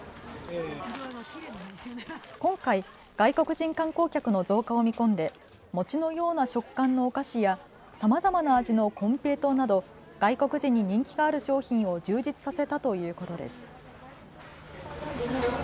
今回、外国人観光客の増加を見込んで餅のような食感のお菓子やさまざまな味の金平糖など外国人に人気がある商品を充実させたということです。